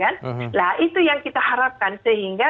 nah itu yang kita harapkan sehingga